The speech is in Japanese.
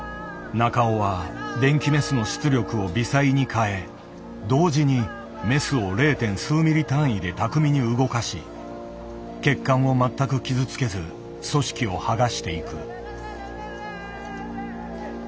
中尾は電気メスの出力を微細に変え同時にメスを０．数ミリ単位で巧みに動かし血管を全く傷つけず組織を剥がしていく。